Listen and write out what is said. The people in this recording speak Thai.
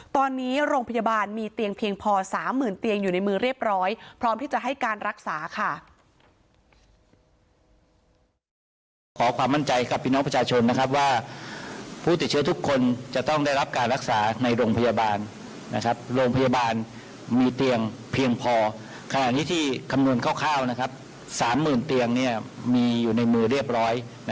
ตอนนี้โรงพยาบาลมีเตียงเพียงพอ๓๐๐๐เตียงอยู่ในมือเรียบร้อย